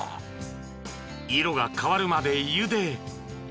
［色が変わるまでゆで］